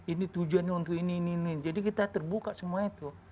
ini tujuannya untuk ini ini jadi kita terbuka semua itu